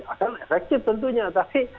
akan efektif tentunya tapi